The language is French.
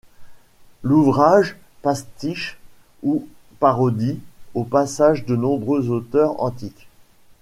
L'ouvrage pastiche ou parodie au passage de nombreux auteurs antiques.